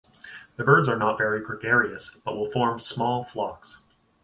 The birds are not very gregarious, but will form small flocks.